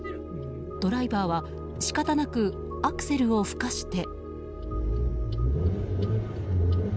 ドライバーは仕方なくアクセルをふかして。